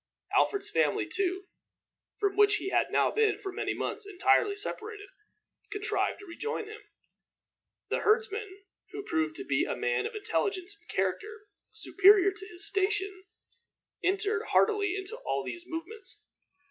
Alfred's family, too, from which he had now been for many months entirely separated, contrived to rejoin him. The herdsman, who proved to be a man of intelligence and character superior to his station, entered heartily into all these movements.